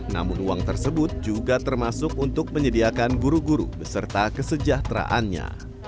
namun uang tersebut juga termasuk untuk menyediakan guru guru beserta kesejahteraannya